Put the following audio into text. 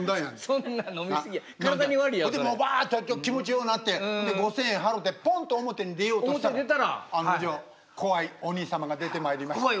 そんでバッと気持ちようなって５，０００円払てポンと表に出ようとしたら案の定怖いおにい様が出てまいりました。